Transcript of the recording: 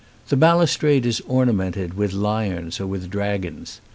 The balustrade is ornamented with lions or with dragons.